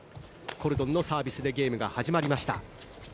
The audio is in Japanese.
コルドンのサービスでゲームが始まりました。